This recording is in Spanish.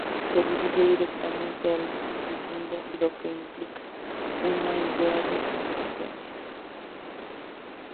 Se dirige directamente al difunto, lo que implica una idea de trascendencia.